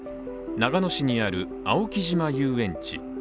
長野市にある青木島遊園地。